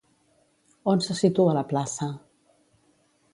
On se situa la plaça?